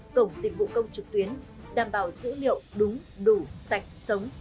cổng dịch vụ công trực tuyến đảm bảo dữ liệu đúng đủ sạch sống